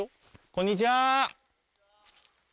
こんにちは。